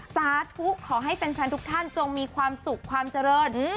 สาธุขอให้แฟนทุกท่านจงมีความสุขความเจริญ